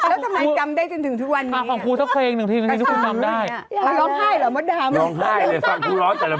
แล้วทำไมกลำได้จนถึงทุกวันนี้ของคุณสักเพลงสองเพลงนึกถูกกลำได้